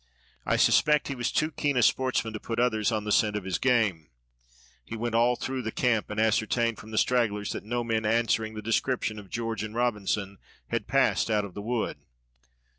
I suspect he was too keen a sportsman to put others on the scent of his game. He went all through the camp, and ascertained from the stragglers that no men answering the description of George and Robinson had passed out of the wood.